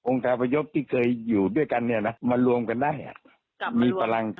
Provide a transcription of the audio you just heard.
องค์กระบายบที่เคยอยู่ด้วยกันมารวมกันได้มีปลัง